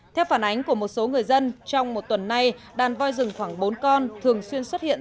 theo phản ánh của một số người dân trong một tuần nay đàn voi rừng khoảng bốn con thường xuyên xuất hiện